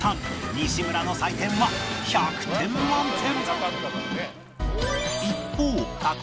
西村の採点は１００点満点！